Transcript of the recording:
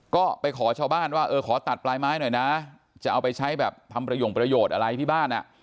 ก็ไปขอชาวบ้านว่าเออขอตัดปลายไม้หน่อยนะจะเอาไปใช้แบบทำประโยงประโยชน์อะไรที่บ้านอ่ะ